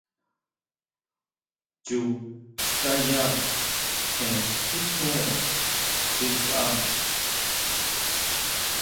Chu xtaya tjen titjure xi kʼa.